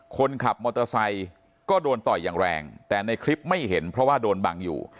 คนขับมอเตอร์ไซค์ก็โดนต่อยอย่างแรงแต่ในคลิปไม่เห็นเพราะว่าโดนบังอยู่